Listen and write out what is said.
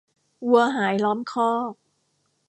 วัวหายล้อมคอก